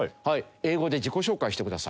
英語で自己紹介してください。